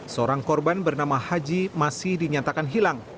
seorang korban bernama haji masih dinyatakan hilang